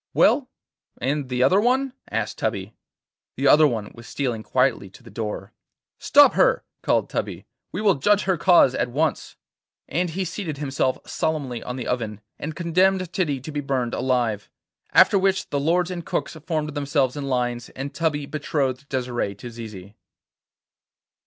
'Well, and the other one?' asked Tubby. The other one was stealing quietly to the door. 'Stop her! called Tubby. 'We will judge her cause at once.' And he seated himself solemnly on the oven, and condemned Titty to be burned alive. After which the lords and cooks formed themselves in lines, and Tubby betrothed Desire to Zizi.